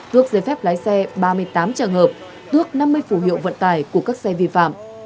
tước giấy phép lái xe ba mươi tám trường hợp tước năm mươi phủ hiệu vận tải của các xe vi phạm